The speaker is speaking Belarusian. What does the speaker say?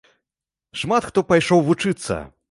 Шмат хто пайшоў вучыцца.